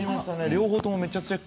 両方ともめっちゃチェックついた。